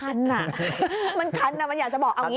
มันคันอ่ะมันคันอ่ะมันอยากจะบอกเอาอย่างนี้